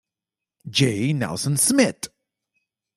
J. Nelson Smith.